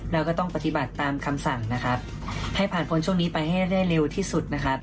แล้วก็ต้องปฏิบัติตามคำสั่งนะครับให้ผ่านพ้นช่วงนี้ไปให้ได้เร็วที่สุดนะครับ